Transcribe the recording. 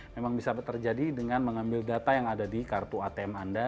memang bisa terjadi dengan mengambil data yang ada di kartu atm anda